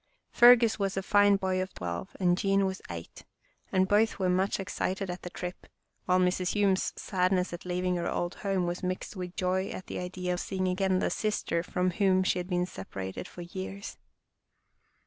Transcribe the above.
Fergus was a fine boy of twelve and Jean was eight, and both were much excited at the trip, while Mrs. Hume's sadness at leaving her old home was mixed with joy at the idea of seeing again the sister from whom she had been sepa rated for years.